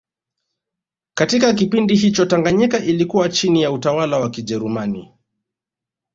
Katika kipindi hicho Tanganyika ilikuwa chini ya utawala wa Kijerumani